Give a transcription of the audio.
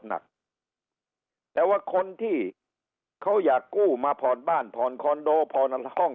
หนักแต่ว่าคนที่เขาอยากกู้มาพรบ้านพรคอนโดพรห้อง